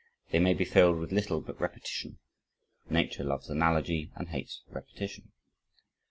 They may be filled with little but repetition. "Nature loves analogy and hates repetition."